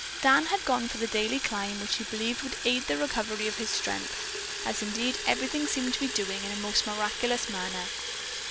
Dan had gone for the daily climb which he believed would aid the recovery of his strength, as indeed everything seemed to be doing in a most miraculous manner.